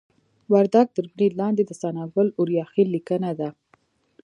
وردګ تر برید لاندې د ثناګل اوریاخیل لیکنه ده